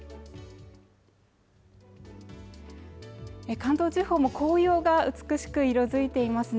関東地方も紅葉が美しく色づいていますね